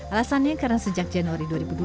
alasannya karena sejak januari dua ribu dua puluh